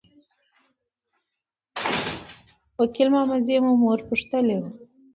وکیل محمدزی مو مور پوښتلي وه.